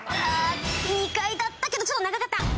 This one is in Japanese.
２回だったけどちょっと長かった！